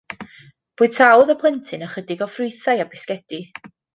Bwytaodd y plentyn ychydig o ffrwythau a bisgedi.